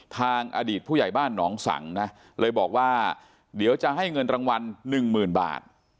ทางอดีตผู้ใหญ่บ้านหนองสังนะเลยบอกว่าเดี๋ยวจะให้เงินรางวัลหนึ่งหมื่นบาท